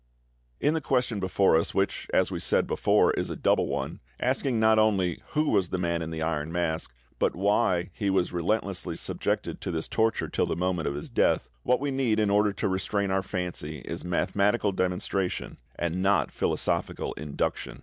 In the question before us, which, as we said before, is a double one, asking not only who was the Man in the Iron Mask, but why he was relentlessly subjected to this torture till the moment of his death, what we need in order to restrain our fancy is mathematical demonstration, and not philosophical induction.